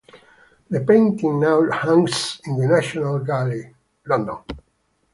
The painting now hangs in the National Gallery, London.